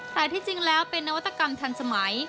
แต่ที่จริงแล้วเป็นนวัตกรรมทันสมัย